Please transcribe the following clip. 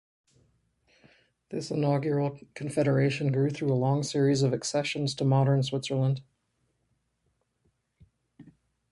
This inaugural confederation grew through a long series of accessions to modern Switzerland.